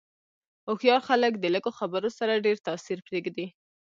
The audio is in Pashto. هوښیار خلک د لږو خبرو سره ډېر تاثیر پرېږدي.